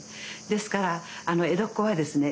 ですから江戸っ子はですね